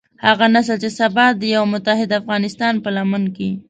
هغه نسل چې سبا د يوه متحد افغانستان په لمن کې.